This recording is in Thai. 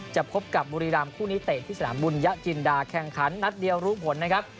จะพบกับบุรีรำคู่นี้เตะที่สนามบุญญะจินดาแข่งขันนัดเดียวรู้ผลนะครับ